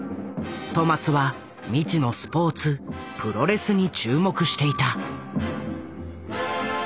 戸松は未知のスポーツプロレスに注目していた。